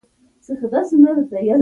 د بښنې غوښتنه د زړۀ صفا ده.